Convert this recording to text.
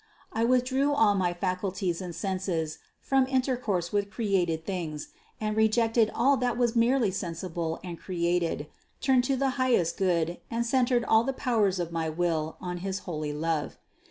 I withdrew all my faculties and senses from intercourse with created things, and rejecting all that was merely sensible and created, turned to the highest Good and centered all the powers of my will on his holy love.